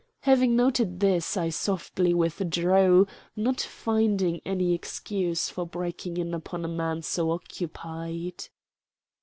Having noted this, I softly withdrew, not finding any excuse for breaking in upon a man so occupied.